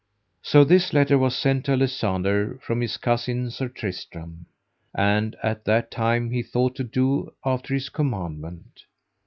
So this letter was sent to Alisander from his cousin, Sir Tristram. And at that time he thought to do after his commandment.